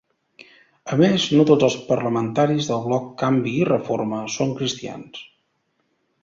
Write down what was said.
A més, no tots els parlamentaris del bloc Canvi i Reforma són cristians.